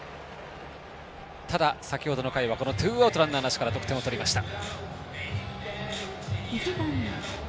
ただ、先ほどの回はこのツーアウトランナーなしから得点を取りました。